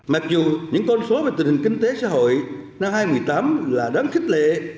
mặc dù những con số về tình hình kinh tế xã hội năm hai nghìn một mươi tám là đáng khích lệ